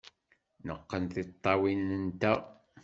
Neqqen tiṭṭawin-nteɣ.